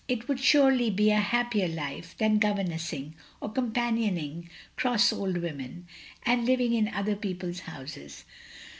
It would surely be a happier life than govemessing, or companioning cross old women, and living in other people's houses.